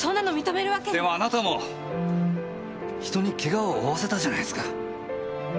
でもあなたも人にケガを負わせたじゃないですか。